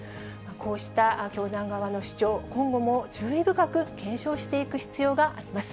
こうした教団側の主張、今後も注意深く検証していく必要があります。